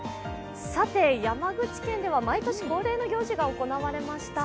山口県では毎年恒例の行事が行われました。